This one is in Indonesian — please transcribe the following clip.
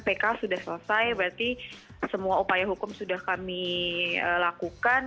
pk sudah selesai berarti semua upaya hukum sudah kami lakukan